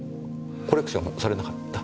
コレクションされなかった？